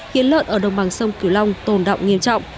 khiến lợn ở đồng bằng sông cửu long tồn động nghiêm trọng